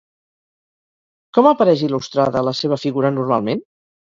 Com apareix il·lustrada la seva figura normalment?